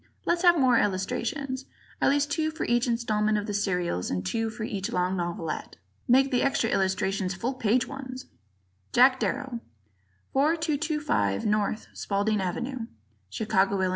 Let's have more illustrations. At least two for each installment of the serials and two for each long novelette. Make the extra illustrations full page ones. Jack Darrow, 4225 N. Spaulding Ave., Chicago, Ill.